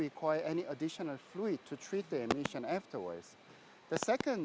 yang tidak menggunakan fluid tambahan untuk mengurangkan emisi